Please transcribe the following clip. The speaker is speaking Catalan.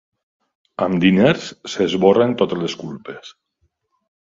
Amb diners s'esborren totes les culpes.